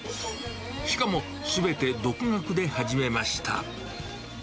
しかもすべて独学で始めました。